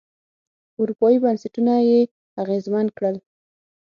اروپايي بنسټونه یې اغېزمن کړل.